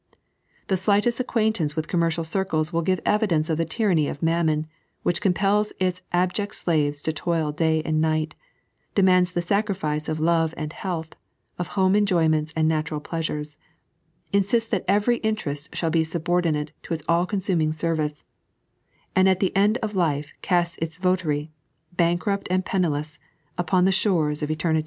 The slightest acquaintance with commercial circles will give evidence of the tyranny of Mammon, which compels its abject slaves to toil day and night ; demands the sacrifice of love and health, of home enjoyments and natural pleasures ; insists that every interest shall be subordinate to its all consuming service; and at the end of life casts its votaty, bankrupt and penniless, upon the shores of eternity.